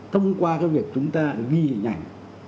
thông qua cái việc chúng ta ghi hình ảnh